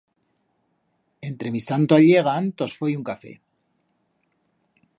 Entremistanto allegan, tos foi un café.